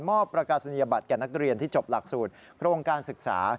ประกาศนียบัตรแก่นักเรียนที่จบหลักสูตรโครงการศึกษา